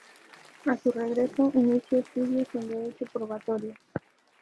A su regreso, inicia estudios en Derecho Probatorio.